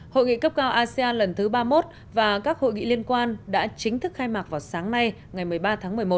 hội nghị cấp cao asean lần thứ ba mươi một và các hội nghị liên quan đã chính thức khai mạc vào sáng nay ngày một mươi ba tháng một mươi một